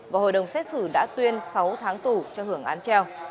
và hội đồng xét xử đã tuyên sáu tháng tù cho hưởng án treo